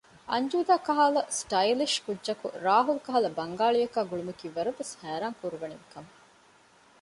އަންޖޫދާ ކަހަލަ ސްޓައިލިޝް ކުއްޖަކު ރާހުލް ކަހަލަ ބަންގާޅި އަކާ ގުޅުމަކީ ވަރަށް ވެސް ހައިރާންކުރަނިވި ކަމެއް